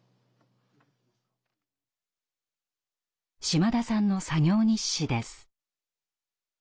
島田さんの作業日誌です。